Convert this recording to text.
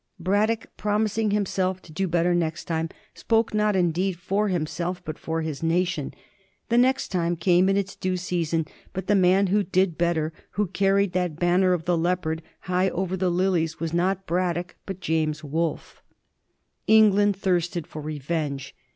Brad dock, promising himself to do better next time, spoke not indeed for himself, but for his nation. The next time came in its due season, but the man who '^ did b^ter," who carried that " banner of the Leopard " high over the Lilies, was not Braddock, but James Wolfe. England thirsted for revenge.